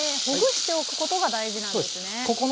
ほぐしておくことが大事なんですね。